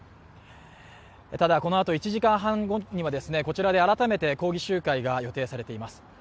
ただ、このあと１時間半後には、こちらで改めて抗議集会が予定されています。